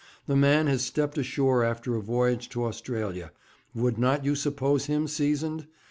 A man has stepped ashore after a voyage to Australia. Would not you suppose him seasoned?